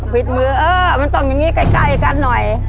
มือเออมันต้องอย่างนี้ใกล้กันหน่อย